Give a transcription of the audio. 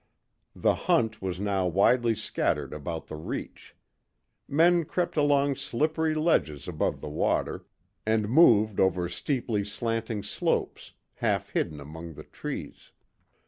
The hunt was now widely scattered about the reach. Men crept along slippery ledges above the water, and moved over steeply slanting slopes, half hidden among the trees.